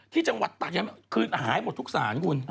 ที่จังหวัดตากยังคือหายหมดทุกสารคุณ